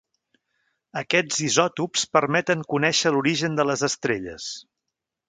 Aquests isòtops permeten conèixer l'origen de les estrelles.